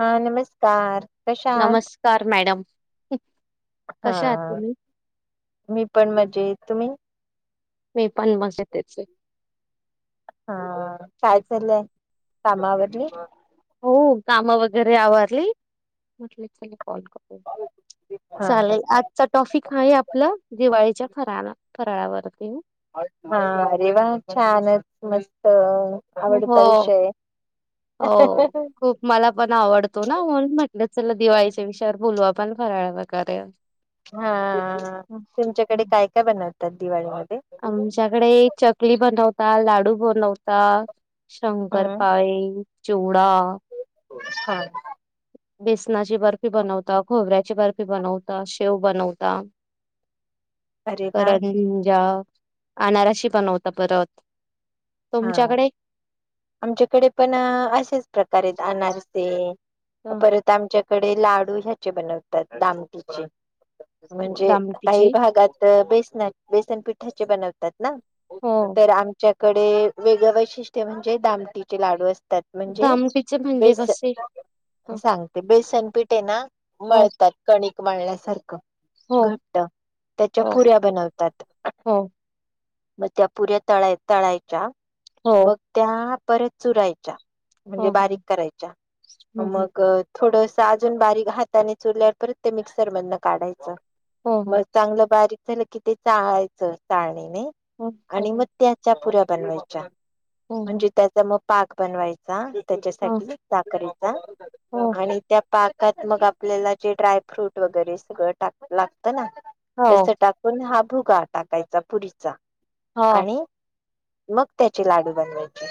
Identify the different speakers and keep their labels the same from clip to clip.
Speaker 1: हा नमस्कार. कशा आहात
Speaker 2: नमस्कार मॅडम.
Speaker 1: हा
Speaker 2: कशा आहात तुम्ही?
Speaker 1: मी पण मजेत. तुम्ही?
Speaker 2: मी पण मजेच हाय.
Speaker 1: हा काय चाललय काम आवरली.
Speaker 2: हो काम वगैरे आवरली म्हटले.
Speaker 1: हा हा
Speaker 2: चालेल आजचा टॉपिक आहे आपलं दिवाळीच्या फराळा. फराळा वरती.
Speaker 1: हा अरे वा छानच मस्त
Speaker 2: हो
Speaker 1: आवडता विषय.
Speaker 2: हो खूप मला पण आवडतो ना म्हणून म्हटलं चला दिवाळीच्या विषयावर बोलू आपण. पण फराळ वगैरे.
Speaker 1: हा तुमच्याकडे काय काय बनवतात दिवाळीमध्ये.
Speaker 2: आमच्याकडे चकली बनवता, लाडू बनवता शंकर
Speaker 1: हम्म
Speaker 2: पाळी, चिवडा. दा.
Speaker 1: हा
Speaker 2: बेसनाची बर्फी बनवता, खोबऱ्याची बर्फी बनवता, शेव बनवता.
Speaker 1: अरे वा
Speaker 2: करंजा, आनाराशी बनवता परत.
Speaker 1: हा
Speaker 2: तुमच्याकडे
Speaker 1: आमच्याकडे पण अशेच प्रकारे आनारसे.
Speaker 2: अ,
Speaker 1: परत आमच्याकडे लाडू ह्याचे बनवतात दामटीचे. म्हणजे काही
Speaker 2: दामटीची?
Speaker 1: भागात बेसना बेसनपिठाचे बनवतात ना.
Speaker 2: हो.
Speaker 1: तर आमच्याकडे वेगळ वैशिष्ट्य म्हणजे दामटी चे लाडू असत. त्यात म्हणजे
Speaker 2: दामटीचे म्हणजे
Speaker 1: बेस.
Speaker 2: कसे? हो
Speaker 1: सांगते बेसन पिठ आहेना
Speaker 2: हो
Speaker 1: मळतात कणिक. मळ्यल्या सारखं
Speaker 2: हो
Speaker 1: घट्ट त्याच्या
Speaker 2: हो
Speaker 1: पुऱ्या बनवतात.
Speaker 2: हो.
Speaker 1: मग त्या पुऱ्या तळाय तळायच्या
Speaker 2: हो हो.
Speaker 1: मग त्या परत चुरायच्या.
Speaker 2: हो
Speaker 1: म्हणजे बारीक करायच्या
Speaker 2: हं हं.
Speaker 1: मग थोड. अजून बारीक हाताने चुरल्यावर परत ते मिक्सर मधून काढायचं.
Speaker 2: हो हो.
Speaker 1: मग चांगलं बारीक झालं कि ते चाळायचं चाळणीने.
Speaker 2: हो
Speaker 1: आणि मग
Speaker 2: हो.
Speaker 1: त्याच्या पुऱ्या बनवायच्या
Speaker 2: हो
Speaker 1: म्हणजे
Speaker 2: हो.
Speaker 1: त्याचा म पाक बनवायचा
Speaker 2: हो हो.
Speaker 1: त्याच्यासाठी साखरेचा
Speaker 2: हो.
Speaker 1: आणि त्या पाक मग आपल्याला जे ड्रायफ्रूट वगैरे सगळं टाक लागतं ना तस टाकून हा भुगा टाकायचा पुरीचा
Speaker 2: हो.
Speaker 1: आणि मग त्याचे लाडू बनवायचे.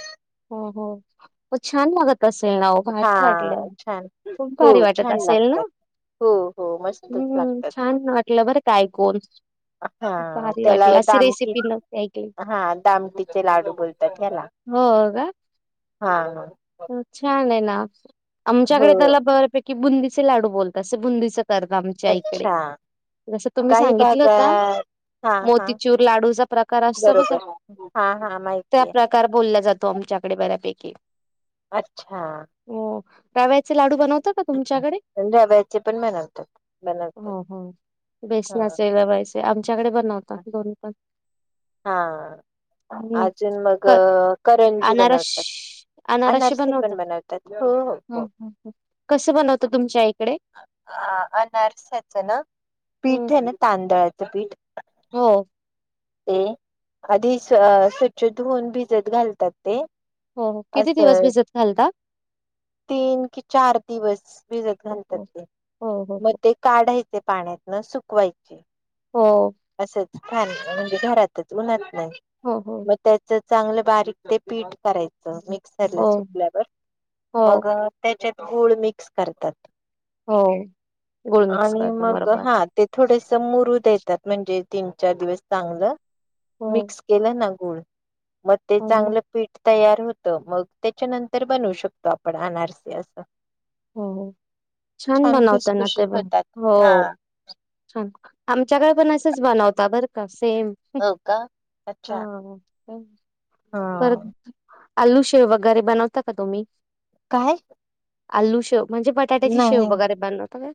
Speaker 2: हो हो छान लागत असल ना हो फारच
Speaker 1: हा
Speaker 2: वाटलं
Speaker 1: छान
Speaker 2: खूप
Speaker 1: हो
Speaker 2: भारी वाटत
Speaker 1: छान
Speaker 2: असेल ना
Speaker 1: लागतात हो हो मस्तच
Speaker 2: हम्म
Speaker 1: लागतात
Speaker 2: छान वाटलं बरं ऐकून
Speaker 1: हा
Speaker 2: खूप भारी
Speaker 1: त्याला
Speaker 2: वाटलं. अशी
Speaker 1: दामटी
Speaker 2: रेसिपी नव्हती ऐकली.
Speaker 1: हा दामटीचे लाडू बोलतात ह्याला
Speaker 2: हो का
Speaker 1: हा
Speaker 2: छान
Speaker 1: हो
Speaker 2: आमच्याकडे त्याला बऱपैकी बुंदीचे लाडू बोलत अस बुंदी. कर आमच्या इकडे
Speaker 1: अच्छा
Speaker 2: जसं तुम्ही
Speaker 1: काही
Speaker 2: सांगितलं का
Speaker 1: भागात हा हा
Speaker 2: मोतीचूर लाडूचा प्रकार असतो ब का
Speaker 1: बरोबर हा हा
Speaker 2: त्या
Speaker 1: माहितीय
Speaker 2: प्रकार बोलल्या जात. तो आमच्याकडे बऱ्यापैकी
Speaker 1: अच्छा
Speaker 2: गव्याचे लाडू बनवत का तुमच्याकडे
Speaker 1: रव्याचे पण बनवतात बनवतात
Speaker 2: हो हो बेसनाचे लवायचे आमच्याकडे बनवतात दोन पण
Speaker 1: हा
Speaker 2: हम्म.
Speaker 1: अजून मग
Speaker 2: क
Speaker 1: करंजी
Speaker 2: अनारस
Speaker 1: बनवतात
Speaker 2: अनारसे
Speaker 1: अनारसेी
Speaker 2: बनवता?
Speaker 1: पण बनवतात हो हो
Speaker 2: हं
Speaker 1: हो
Speaker 2: हं हं. कसं बनवता तुमच्या इकडे?
Speaker 1: अ अनारसाच ना
Speaker 2: हं.
Speaker 1: पीठ आहे ना तांदळाचं पीठ
Speaker 2: हो
Speaker 1: ते आधी स्व स्वच्छ धुवन भिजत घालतात ते
Speaker 2: हो किती दिवस
Speaker 1: असं
Speaker 2: भिजत खालता
Speaker 1: तीन कि चार दिवस भिजत
Speaker 2: हो
Speaker 1: घालतात
Speaker 2: हो
Speaker 1: ते
Speaker 2: हो
Speaker 1: मग
Speaker 2: हो.
Speaker 1: ते काढायचे. ते पाण्यातन सुकवायचे.
Speaker 2: हो,
Speaker 1: असंच खान म्हणजे घरातच उन्हत नाही
Speaker 2: हो, हो,
Speaker 1: मग त्याचच चांगलं बारीक ते पीठ करायचं मिक्सरला
Speaker 2: हो,
Speaker 1: सुकल्यावर मग
Speaker 2: हो,
Speaker 1: त्याच्यात गळ मिक्स करतात
Speaker 2: हो. गूळ मिक्स
Speaker 1: आणि
Speaker 2: करता
Speaker 1: मग
Speaker 2: बरोबर.
Speaker 1: हा ते थोडे समोरू देतात म्हणजे तीन चार दिवस चांगलं
Speaker 2: हो,
Speaker 1: मिक्स केलं ना गुळ मग ते
Speaker 2: हो मग
Speaker 1: चांगलं पीठ तयार होत मग त्याच्यानंतर बनवू शकतो आपण आनर सी असं
Speaker 2: हो छान बनवत ना ते
Speaker 1: खुसखुशीत
Speaker 2: ब
Speaker 1: होतात
Speaker 2: हो
Speaker 1: हा
Speaker 2: आमच्याकडे पण असेच बनवता बरं का सेम
Speaker 1: हो का अच्छा
Speaker 2: ह तर
Speaker 1: हा
Speaker 2: आलू शेव वगैरे बनवता का तुम्ही
Speaker 1: काय
Speaker 2: आलू शेव म्हणजे बटाट्याची शेव
Speaker 1: नाही
Speaker 2: वगैरे बनवता का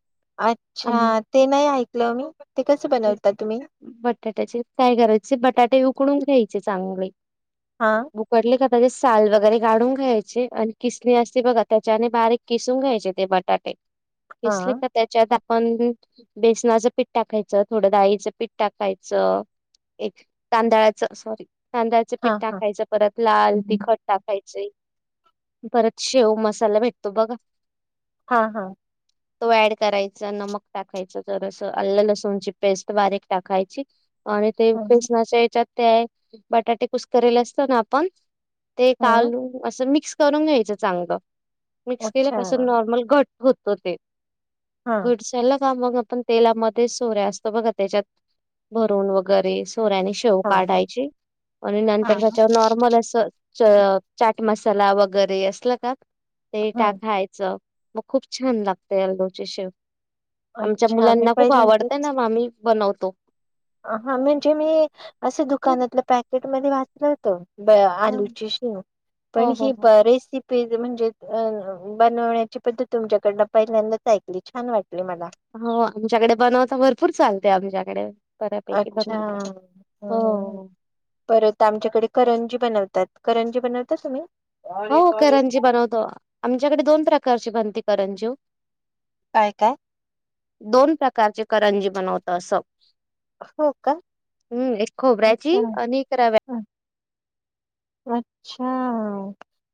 Speaker 1: अच्छा
Speaker 2: आम
Speaker 1: ते नाही ऐकलं मी ते कसं बनवता तुम्ही
Speaker 2: बटाट्याचे काय करायचे बटाटे उकडून घ्यायचे चांगले
Speaker 1: हा
Speaker 2: उकडले का साल वगैरे कााढून घ्यायचे आणि किसणी असते बघा त्याच्याने बारीक किसून घ्यायचे ते बटाटे
Speaker 1: हा
Speaker 2: दिसले का त्याच्या पण बेसनाचं पिठ्टा खायचं थोडं डाळीचं पिठ्टा खायचं एक तांदळाच सॉरी तांदळाच
Speaker 1: हा
Speaker 2: पिठठा
Speaker 1: हा
Speaker 2: खायचं परत लाल तिखट टाकाायचे परत शेव मसाला भेटतो बघा.
Speaker 1: हा हा
Speaker 2: तो ऍड करायचा नमक टाकायच जस अल्ल लसूणची पेस्ट बारीक टाकायची आणि ते
Speaker 1: ह
Speaker 2: फेसनाच्या याच्यात ते आहे बटाटे कुसकरेले असत ना आपण ते
Speaker 1: हं
Speaker 2: कालू असं मिक्स करून घ्यायचं चांग मिक्स
Speaker 1: अच्छा
Speaker 2: केल्या नॉर्मल घट होतो तेट
Speaker 1: हा
Speaker 2: ह मग आपण तेलामध्ये सोऱ्या असतो बघा त्याच्यात भरून वगैरे. चोऱ्याने शेव
Speaker 1: हा हा
Speaker 2: काढायची आणि
Speaker 1: हा
Speaker 2: नंतर त्याच्यावर नॉर्मल असं. च चाट मसाला वगैरे असल का ते
Speaker 1: हं
Speaker 2: टाकायचं. मग खूप छान लागतें अल्दोची शेव आमच्या
Speaker 1: अच्छा मी
Speaker 2: मुलांना खूप आवडतय
Speaker 1: पहिल्यांदाच
Speaker 2: ना म्मी बनवतो.
Speaker 1: हा म्हणजे मी असे दुकानातलं पॅकेट मध्ये वाचलं होत. ब
Speaker 2: हम्म.
Speaker 1: आलूची शिव पण
Speaker 2: हो
Speaker 1: ही
Speaker 2: हो हो
Speaker 1: बरेस म्हणजे बनवण्याची पद्धत तुमच्याकडन पहिल्यांदाच ऐकली छान वाट
Speaker 2: हो आमच्याकडे बनवता भरपूर चालते आमच्याकडे बऱ्यापैकी
Speaker 1: अच्छा
Speaker 2: बनवता हो
Speaker 1: परत आमच्याकडे करंजी बनवते. तत्करंजी बनवता तुम्ही
Speaker 2: हो करंजी बनवतो आमच्याकडे दोन प्रकारची बनते करंजीव
Speaker 1: काय काय.
Speaker 2: दोन प्रकारचे करंजी बनवत असं.
Speaker 1: हो का
Speaker 2: हम्म एक
Speaker 1: अच्छा
Speaker 2: खोबऱ्याची अकराव्याची [inaudible]
Speaker 1: अच्छा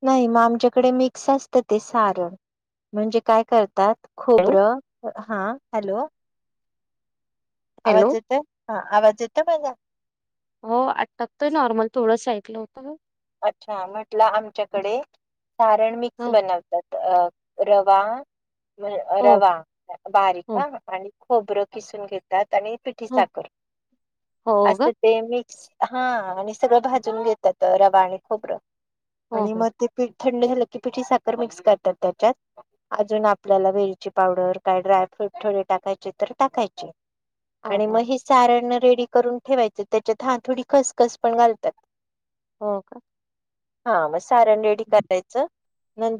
Speaker 1: नाही मग आमच्याकडे मिक्स असतं ते सारण म्हणजे काय करतात
Speaker 2: हॅलो
Speaker 1: खोबरं हा हॅलो.
Speaker 2: हॅलो.
Speaker 1: आजत ह आजत म्हज
Speaker 2: हो आठ टकतोय नॉर्मल थोडंच ऐकलं होतं.
Speaker 1: अच्छा म्हटलं आमच्याकडे सारण मिक्स
Speaker 2: हो,
Speaker 1: बनवतात अ रवा
Speaker 2: हो,
Speaker 1: रवा बारीक
Speaker 2: हो,
Speaker 1: हा आणि खोबरं किसून घेतात आणि पिठी
Speaker 2: हो,
Speaker 1: साखर
Speaker 2: हो
Speaker 1: असं
Speaker 2: गं.
Speaker 1: ते मी हा आणि सगळं
Speaker 2: हो,
Speaker 1: भाजून घेतात रवा आणि खोबरं आणि
Speaker 2: हो,
Speaker 1: मग ते प थंड झालं की पिची साखर मिक्स करतात त्याच्यात अजून आपल्याला वरची पावडर का ड्रॅ ठठळे टाका तर टाकाय
Speaker 2: हो,
Speaker 1: आणि म
Speaker 2: हो,
Speaker 1: स रेडी करून ठेवायचे त्याच्यात ह थोडी खसखस पण घालतात.
Speaker 2: हो का
Speaker 1: हा मग सारण रेडी करायचं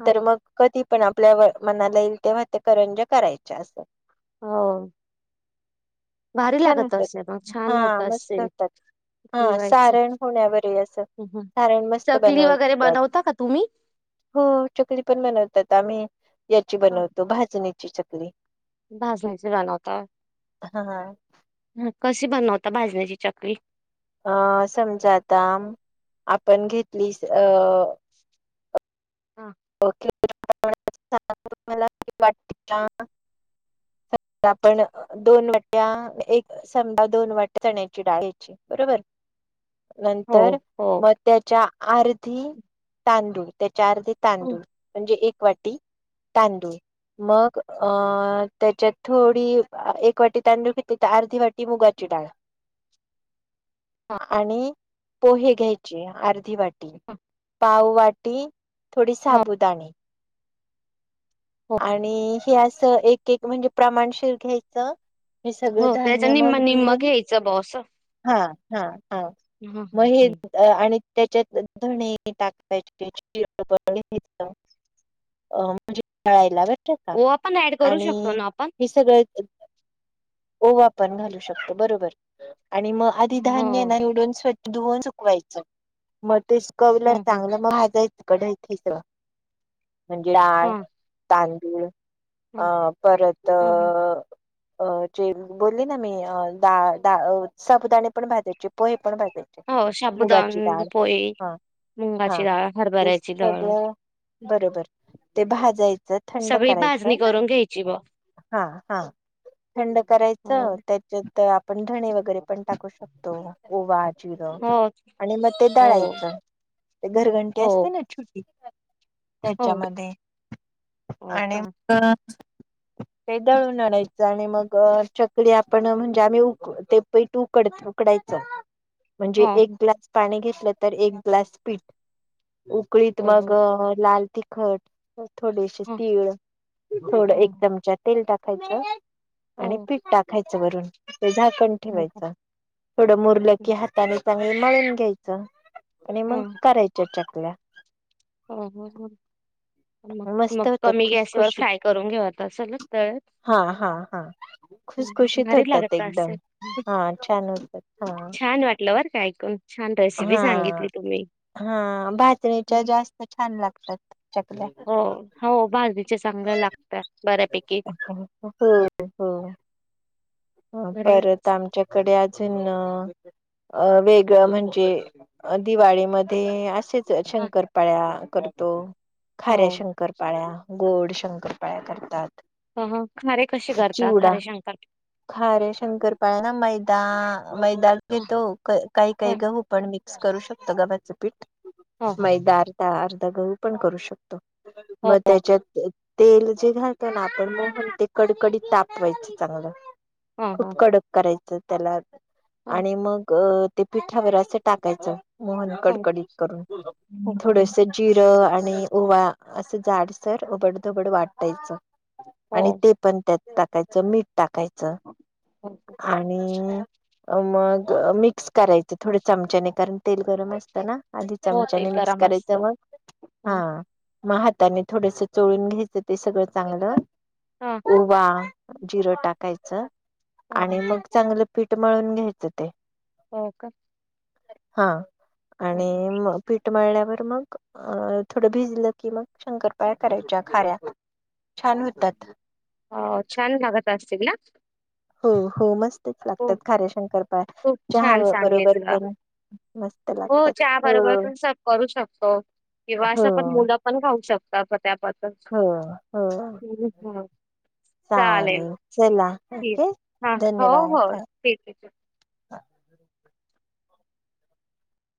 Speaker 2: हां, हां.
Speaker 1: मग कधी पण आपल्या मनाला येईल तेवते करंज करायचे असं.
Speaker 2: हो. भारी
Speaker 1: छान
Speaker 2: लागत
Speaker 1: होतात
Speaker 2: असेल मग छान होत
Speaker 1: हा मस्त
Speaker 2: असेल
Speaker 1: होतात. हा
Speaker 2: दिवाळीची.
Speaker 1: सारण होण्यावरही अस
Speaker 2: हं, हं.
Speaker 1: ण मस्त
Speaker 2: चकली वगैरे
Speaker 1: बनवतात
Speaker 2: बनवता का तुम्ही?
Speaker 1: हो चकली पण बनवतात. आम्ही याची बनवतो भाजणीची चकरी
Speaker 2: दास नाहीच राण होता.
Speaker 1: हा हा
Speaker 2: हा कशी बनवता भाजण्याची चकली
Speaker 1: अं समजा आता आपण घेतली अं
Speaker 2: हां.
Speaker 1: ला वाट का [unintelligible]
Speaker 2: [unintelligible]
Speaker 1: तर आपण दोन वाट्या एक समजा दोन वाट्या चण्याची डाळ्याची बरोबर
Speaker 2: [unintelligible]
Speaker 1: नंतर
Speaker 2: हो.
Speaker 1: म त्याच्या अर्धी तांदूळ त्या चार ते
Speaker 2: हं,
Speaker 1: तांदूळ म्हणजे एक वाटी तांदूळ मग अ त्याच्यात थोडी एक वाटी तांदूळ घेतली तर अर्धी वाटी मुगाची टाय
Speaker 2: [unintelligible]
Speaker 1: आणि पोहे घ्यायचे अर्धी वाट
Speaker 2: हं.
Speaker 1: पाव वाटी थोडी
Speaker 2: हो,
Speaker 1: साबुदणी
Speaker 2: हो,
Speaker 1: आणि हे असं एक एक म्हणजे प्रमाणशीिर घ्यायचं. हे सगळ
Speaker 2: हो. त्याचं
Speaker 1: धान्य मग
Speaker 2: निम्म-निम्म
Speaker 1: धुवून
Speaker 2: घ्यायचं बुवा असं.
Speaker 1: हा हा हा
Speaker 2: हं,
Speaker 1: म
Speaker 2: हं, हं.
Speaker 1: आणि त्याच्यात धणे टाकय अ म्हणजे खळायला भेटत का
Speaker 2: ओवा पण ॲड करू शकतो
Speaker 1: आणि
Speaker 2: ना आपण?
Speaker 1: हे सगळं. ओ वा पण घालू शकतो बरोबर आणि मग आधी
Speaker 2: हो,
Speaker 1: धान्य ना एकदम स्वच्छ धुवन सुकवायचं मग ते सुकवलं
Speaker 2: हो, हो.
Speaker 1: चांगलं मग भाजायचं. कडथिच म्हणजे लाडळ
Speaker 2: हां,
Speaker 1: तांदूळ.
Speaker 2: हां,
Speaker 1: अं परत अ
Speaker 2: हां, हां.
Speaker 1: अ जे बोलली ना मी साबुदाणे पण भाजायचे पोहे पण भाजाचे.
Speaker 2: हो शाबुदान पोळी
Speaker 1: हा
Speaker 2: मुंगाची
Speaker 1: हा
Speaker 2: डाळ
Speaker 1: ते
Speaker 2: हरभऱ्याची डाळ.
Speaker 1: सगळं बरोबर ते भाजायचं थंड
Speaker 2: सगळी
Speaker 1: करायचं.
Speaker 2: भाजणी करून घ्यायची ब
Speaker 1: हा हा थंड करायचं
Speaker 2: हो
Speaker 1: त्याच्यांत पण धणे वगैरे पण टाकू शकतो ओ वाट चिर
Speaker 2: हो
Speaker 1: आणि मग ते
Speaker 2: हो
Speaker 1: दळायचं ते घरघंटी असत
Speaker 2: हो
Speaker 1: ना छोटी
Speaker 2: हो
Speaker 1: त्याच्यामध्ये आणि मग
Speaker 2: अ [inaudible]
Speaker 1: ते दळून आणायचं आणि मग चकली आपण म्हणजे आम्ही उक ते पट उकड उकडायच. म्हणजे
Speaker 2: हो
Speaker 1: एक ग्लास पाणी घेतलं तर एक ग्लास पीठ उकळीत
Speaker 2: हो
Speaker 1: मग
Speaker 2: हो
Speaker 1: लाल तिखट थोडेसे
Speaker 2: हो हो
Speaker 1: तीळ, थोड एक
Speaker 2: हो
Speaker 1: चमचा तेल टाकायचं. आणि
Speaker 2: हो
Speaker 1: पीठ टाकायचं वरून. झाकण
Speaker 2: हो हो
Speaker 1: ठेवायचं थोडं मुरलं की हाताने चांगले मळून घ्यायचं. आणि मग करायच्या चकल्या.
Speaker 2: ह ह हं मग
Speaker 1: मस्त
Speaker 2: मग
Speaker 1: होतात
Speaker 2: कमी गॅसवर
Speaker 1: खुसखुशीत
Speaker 2: फ्राय करून घेऊत असल त
Speaker 1: हा हा हा खुशखुशीत
Speaker 2: भारी
Speaker 1: होतात
Speaker 2: लागत
Speaker 1: एकदम
Speaker 2: असेल
Speaker 1: हा छान होतात. हां
Speaker 2: छान वाटलं बरका ऐकून. छान रेसिपी
Speaker 1: हा
Speaker 2: सांगितली तुम्ही
Speaker 1: हा बाजरीच्या जास्त छान लागतात. चकल्या.
Speaker 2: हो हो बाजरीच्या चांगल्या लागत बऱ्यापैकी.
Speaker 1: हो
Speaker 2: बरं आहे.
Speaker 1: परत आमच्याकडे अजून अ वेगळं म्हणजे ते दिवाळीमध्ये असेच
Speaker 2: हा,
Speaker 1: शंकरपाळ्या करतो. खाऱ्या
Speaker 2: हो
Speaker 1: शंकरपाळ्या, गोड शंकरपाळ्या करतात.
Speaker 2: ह खारे कसे करता खारे शंकर
Speaker 1: खारे शंकरपाळ्या ना मैदा. मैदात
Speaker 2: ह
Speaker 1: घेतो काही
Speaker 2: ह
Speaker 1: काही गहू पण मिक्स करू शकतो गव्हाचं पीठ.
Speaker 2: ह
Speaker 1: मैदा अर्धा, अर्धा गहू पण करू शकतो
Speaker 2: हो
Speaker 1: मग
Speaker 2: हो
Speaker 1: त्याच्यात तेल जे घालतो ना आपण म ते कडकडीत तापवायचं चांगलं.
Speaker 2: ह
Speaker 1: खूप
Speaker 2: ह ह
Speaker 1: कडक करायचं त्याला
Speaker 2: हो
Speaker 1: आणि मग ते पिठावर असं टाकायचं मोहन
Speaker 2: हो
Speaker 1: कडकडीत करून.
Speaker 2: हो
Speaker 1: थोडस जिरं, आणि ओवा असं जाडसर उबडधबड वाटायचं आणि
Speaker 2: हो
Speaker 1: ते पण त्यात टाकायचं मीठ टाकायचं
Speaker 2: हो
Speaker 1: आणि मग मिक्स करायचं थोड्या चमचाने कारण तेल गरम असतं ना. आधी
Speaker 2: होतील
Speaker 1: चमचाने मिक्स
Speaker 2: करा मस्त
Speaker 1: करायचं मग
Speaker 2: ह
Speaker 1: हां. मग हाताने थोडस चोळून घ्यायचं ते सगळं चांगलं.
Speaker 2: ह
Speaker 1: ओवा जिरं टाकायचं आणि
Speaker 2: ह
Speaker 1: मग चांगलं पीठ मिळून घ्यायचं ते.
Speaker 2: हो का.
Speaker 1: हा आणि
Speaker 2: हो
Speaker 1: पीठ मळण्या वर मग अ थोडं भिजलं की मग शंकरपाळया करायच्या खाऱ्या. छान होतात.
Speaker 2: हो छान लागत असतील ना?
Speaker 1: हो हो मस्तच लागतात
Speaker 2: खूप
Speaker 1: खाऱ्या शंकरपाळ्या
Speaker 2: खूप
Speaker 1: चहा
Speaker 2: छान
Speaker 1: बरोबर
Speaker 2: सांगितलं
Speaker 1: पण. मस्त
Speaker 2: हो
Speaker 1: लागतात
Speaker 2: चहा बरोबर पण सर करू शकतो किंवा असं पण मुलं पण खाऊ शकतात. त्याबद्दल
Speaker 1: हा हां
Speaker 2: हम्म, हम्म.
Speaker 1: चालेल चला
Speaker 2: ठीक
Speaker 1: ओके
Speaker 2: हा हो
Speaker 1: धन्यवाद.
Speaker 2: हो ठीक आहे
Speaker 1: ह्ं